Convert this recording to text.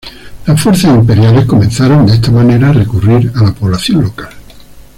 Las fuerzas imperiales comenzaron de esta manera a recurrir a la población local.